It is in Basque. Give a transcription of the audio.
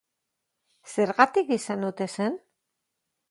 Zergatik izan ote zen?